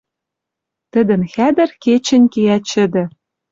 Тӹдӹн хӓдӹр кечӹнь кеӓ чӹдӹ